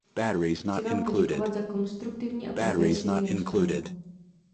Chci vám poděkovat za konstruktivní a progresivní rozpravu.